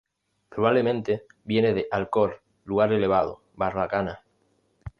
Probablemente viene de "alcor", lugar elevado, barbacana.